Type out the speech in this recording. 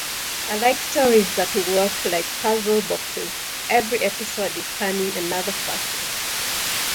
I like stories that work like puzzle boxes, every episode is turning another facet.